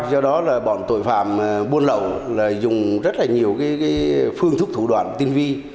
do đó là bọn tội phạm buôn lậu dùng rất là nhiều phương thức thủ đoạn tinh vi